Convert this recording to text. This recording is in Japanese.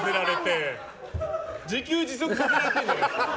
自給自足させられてるじゃないですか。